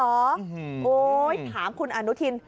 โอ๊ยถามคุณอันนุธิน